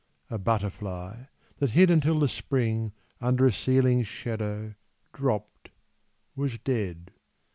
A butterfly, that hid until the Spring Under a ceiling's shadow, dropt, was dead.